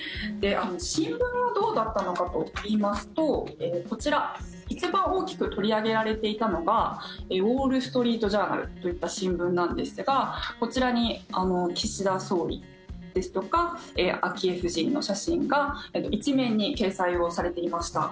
新聞はどうだったのかといいますとこちら、一番大きく取り上げられていたのがウォール・ストリート・ジャーナルといった新聞ですがこちらに岸田総理ですとか昭恵夫人の写真が１面に掲載をされていました。